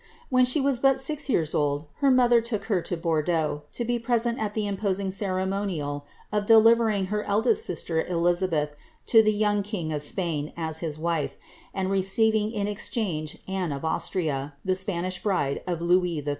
When she was but six yeara old her mother took her to Bordeaux, to be present at the imposing ceremonial of delivering her eldest sister Elizabeth to the young king of Spain, as his wife, and receiving in exchange Anne of Austria, the Spanish bride of Louis XIII.'